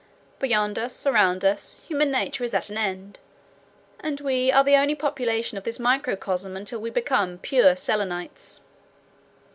Beyond us, around us, human nature is at an end, and we are the only population of this microcosm until we become pure Selenites."